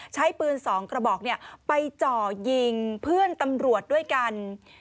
ใช้ปืน๒กระบอกไปจ่อยิงเพื่อนตำรวจด้วยกัน